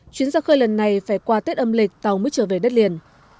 chuyến ra khơi lần này phải qua tết âm lịch tàu mới trở về đất liền